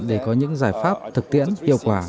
để có những giải pháp thực tiễn hiệu quả